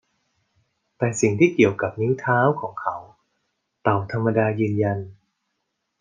แต่สิ่งที่เกี่ยวกับนิ้วเท้าของเขา เต่าธรรมดายืนยัน